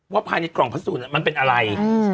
ภายในกล่องพัสดุมันเป็นอะไร